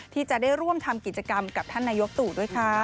ที่จะได้ร่วมทำกิจกรรมกับท่านนายกตู่ด้วยค่ะ